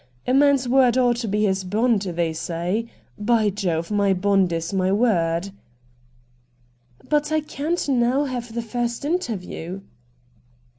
A man's word ought to be his bond, they say. By Jove ! my bond is my word.' ' But I can't now have the first interview.'